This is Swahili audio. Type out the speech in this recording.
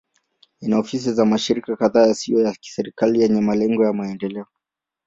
Ina ofisi za mashirika kadhaa yasiyo ya kiserikali yenye malengo ya maendeleo.